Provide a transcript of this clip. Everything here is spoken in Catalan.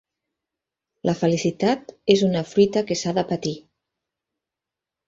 La felicitat és una fruita que s'ha de patir